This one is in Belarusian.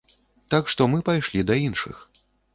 Так што мы пайшлі да іншых.